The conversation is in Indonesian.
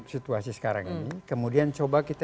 situasi sekarang ini kemudian coba kita